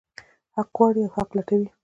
حق غواړي او حق لټوي.